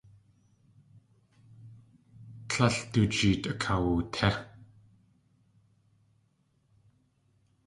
Tlél du jeet akawutí.